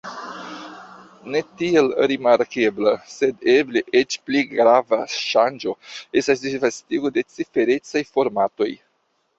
Ne tiel rimarkebla, sed eble eĉ pli grava ŝanĝo estas disvastigo de ciferecaj formatoj.